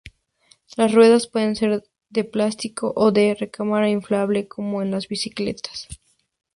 Las ruedas pueden ser de plástico o de recámara inflable como en las bicicletas.